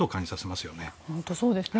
本当にそうですね。